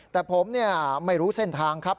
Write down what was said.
แต่ผมไม่รู้เส้นทางครับ